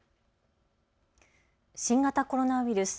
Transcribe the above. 新型コロナウイルス。